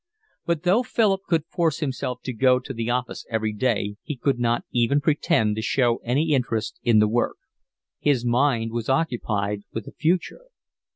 But though Philip could force himself to go to the office every day he could not even pretend to show any interest in the work. His mind was occupied with the future.